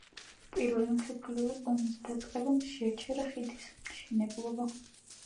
პირველი მსოფლიო ომის დაწყებამ შეაჩერა ხიდის მშენებლობა.